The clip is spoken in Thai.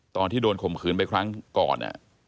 ตอนที่โดนข่มขืนไปครั้งก่อน